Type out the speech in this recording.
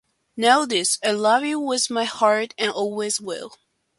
Know this: I love you with my heart and always will.